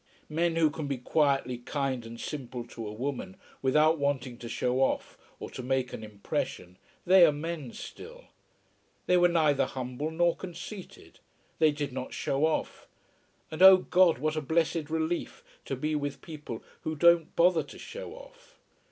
Men who can be quietly kind and simple to a woman, without wanting to show off or to make an impression, they are men still. They were neither humble nor conceited. They did not show off. And oh God, what a blessed relief, to be with people who don't bother to show off.